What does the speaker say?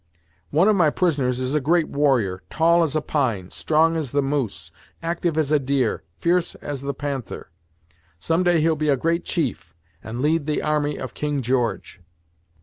"One of my prisoners is a great warrior tall as a pine strong as the moose active as a deer fierce as the panther! Some day he'll be a great chief, and lead the army of King George!"